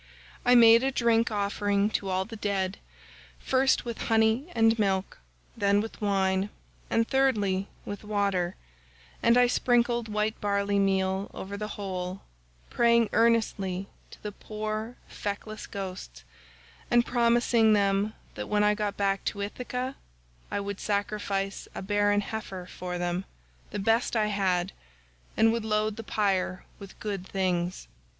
I made a drink offering to all the dead, first with honey and milk, then with wine, and thirdly with water, and I sprinkled white barley meal over the whole, praying earnestly to the poor feckless ghosts, and promising them that when I got back to Ithaca I would sacrifice a barren heifer for them, the best I had, and would load the pyre with good things.